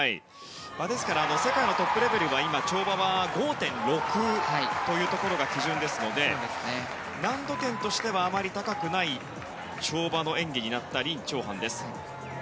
世界のトップレベルは跳馬は５．６というところが基準ですので難度点としてはあまり高くない跳馬の演技となったリン・チョウハンです。